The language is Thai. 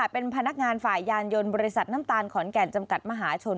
เป็นพนักงานฝ่ายยานยนต์บริษัทน้ำตาลขอนแก่นจำกัดมหาชน